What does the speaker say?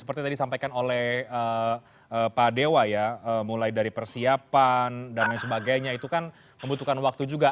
seperti tadi disampaikan oleh pak dewa ya mulai dari persiapan dan lain sebagainya itu kan membutuhkan waktu juga